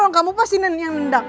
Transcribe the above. orang kamu pasti yang nendak